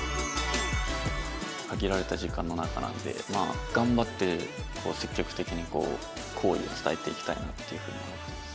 限られた時間の中なのでまあ頑張って積極的に好意を伝えていきたいなっていうふうに思ってます。